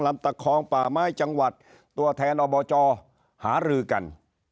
ตะคองป่าไม้จังหวัดตัวแทนอบจหารือกัน